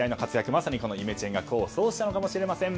まさにこのイメチェンが功を奏したのかもしれません。